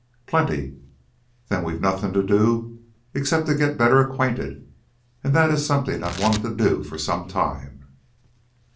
"Plenty." "Then we've nothing to do except get better acquainted, and that is something I've wanted to do for some time."